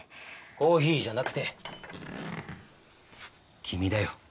コーヒーじゃなくて君だよ。